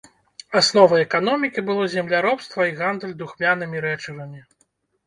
Асновай эканомікі было земляробства і гандаль духмянымі рэчывамі.